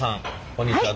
こんにちは。